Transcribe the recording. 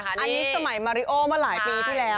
อันนี้สมัยมาริโอมาหลายปีที่แล้ว